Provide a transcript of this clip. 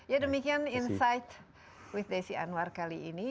ya demikian insight with desi anwar kali ini